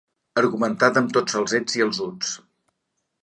Argumentada amb tots els ets i els uts.